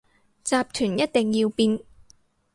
集團一定要變